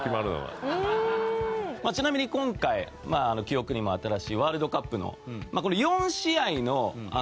ちなみに今回記憶にも新しいワールドカップのこの。